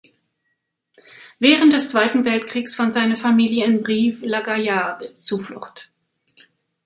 Während des Zweiten Weltkriegs fand seine Familie in Brive-la-Gaillarde Zuflucht.